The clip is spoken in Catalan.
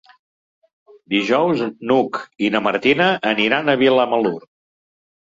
Dijous n'Hug i na Martina aniran a Vilamalur.